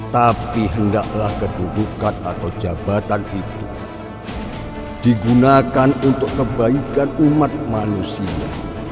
tapi hendaklah kedudukan atau jabatan itu digunakan untuk kebaikan umat manusia